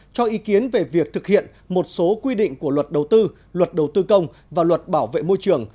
cho ý kiến về việc thực hiện một số quy định của luật đầu tư luật đầu tư công và luật bảo vệ môi trường